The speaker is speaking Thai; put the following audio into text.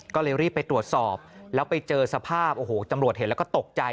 ก็เลยรีบไปตรวจสอบแล้วไปเจอสภาพโอ้โหตำรวจเห็นแล้วก็ตกใจ